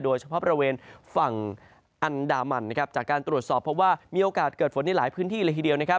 โดยเฉพาะบริเวณฝั่งอันดามันนะครับจากการตรวจสอบเพราะว่ามีโอกาสเกิดฝนในหลายพื้นที่เลยทีเดียวนะครับ